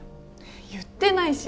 言ってないし。